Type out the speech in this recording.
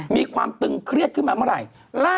มีความตึงเครียดขึ้นมาเมื่อไหร่